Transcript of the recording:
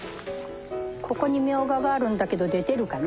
ここにミョウガがあるんだけど出てるかな？